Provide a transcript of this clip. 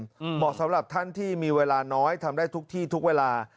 เหมาะสำหรับท่านที่มีเวลาน้อยทำได้ทุกที่ทุกเวลา